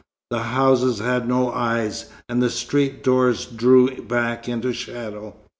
The houses had no eyes, and the street doors drew back into shadow.